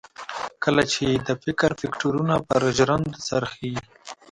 کله چې یې د فکر فکټورنه د بل پر ژرندو څرخي.